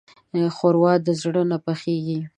ښوروا د زړه نه پخېږي.